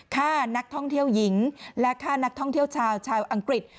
ฆ่านักท่องเที่ยวหญิงและฆ่านักท่องเที่ยวชาวชาวอังกฤษ